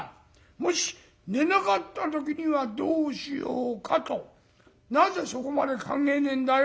もし寝なかった時にはどうしようかとなぜそこまで考えねえんだよ」。